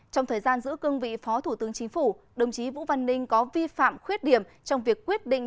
trong thời gian giữ cương vị phó thủ tướng chính phủ đồng chí vũ văn ninh có vi phạm khuyết điểm trong việc quyết định